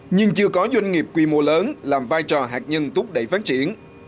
nhưng chưa có doanh nghiệp quy mô lớn làm vai trò hạt nhân thúc đẩy phát triển